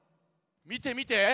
みてみて！